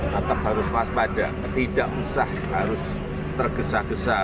tetap harus waspada tidak usah harus tergesa gesa